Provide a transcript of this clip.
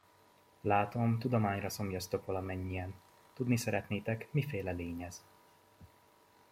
Látom, tudományra szomjaztok valamennyien, tudni szeretnétek, miféle lény ez.